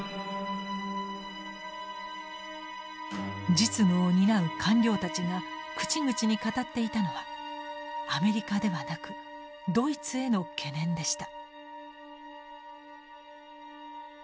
実務を担う官僚たちが口々に語っていたのはアメリカではなくドイツへの懸念でした。